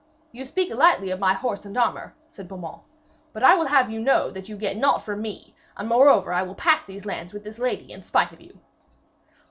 'You speak lightly of my horse and armour,' said Beaumains, 'but I will have you know that you get naught from me, and moreover I will pass these lands with this lady in spite of you.'